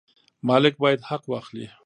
مالک باید حق واخلي.